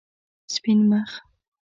سپین مخ